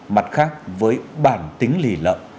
mặt khác với bản tính lì lợm